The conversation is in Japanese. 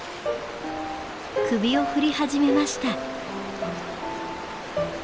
首を振り始めました。